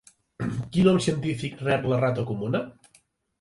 Quin nom científic rep la rata comuna?